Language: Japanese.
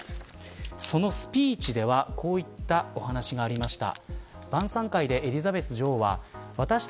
そのスピーチではこういったお話がありました。